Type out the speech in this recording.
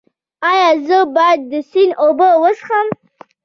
ایا زه باید د سیند اوبه وڅښم؟